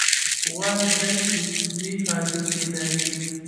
غوږ درې کوچني هډوکي لري.